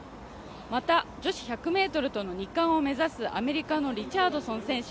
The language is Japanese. また女子１００ｍとの２冠を目指す、アメリカのリチャードソン選手。